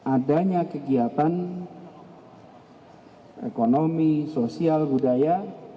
adanya kegiatan ekonomi sosial budaya